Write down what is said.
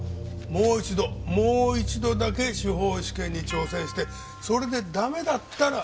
もう一度もう一度だけ司法試験に挑戦してそれでダメだったら。